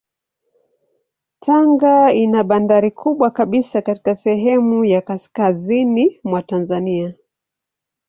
Tanga ina bandari kubwa kabisa katika sehemu ya kaskazini mwa Tanzania.